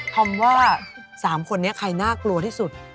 อมว่า๓คนนี้ใครน่ากลัวที่สุด